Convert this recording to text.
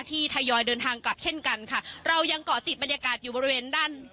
ทยอยเดินทางกลับเช่นกันค่ะเรายังเกาะติดบรรยากาศอยู่บริเวณด้าน